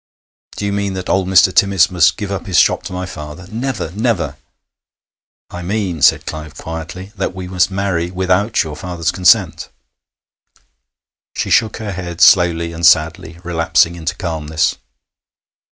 'Do you mean that old Mr. Timmis must give up his shop to my father? Never! never!' 'I mean,' said Clive quietly, 'that we must marry without your father's consent.' She shook her head slowly and sadly, relapsing into calmness.